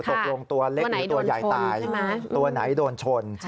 ตกลงตัวเล็กหรือตัวใหญ่ตายตัวไหนโดนชน